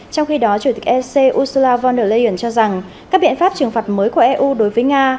trong khi đó chủ tịch ec ursula von der leyen cho rằng các biện pháp trừng phạt mới của eu đối với nga